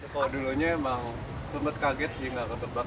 kalo dulunya emang sempet kaget sih ga ketebak emang